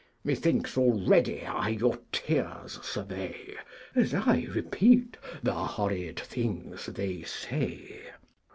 'Methinks already I your Tears survey' As I repeat 'the horrid Things they say.'